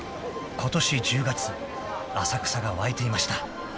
［ことし１０月浅草が沸いていました］